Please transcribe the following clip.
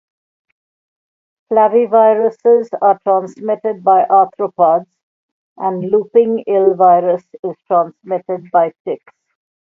Flaviviruses are transmitted by arthropods, and louping ill virus is transmitted by ticks.